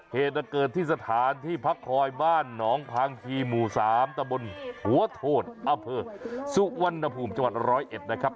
เหตุเกิดที่สถานที่พักคอยบ้านหนองพางคีหมู่๓ตะบนหัวโถดอเภอสุวรรณภูมิจังหวัดร้อยเอ็ดนะครับ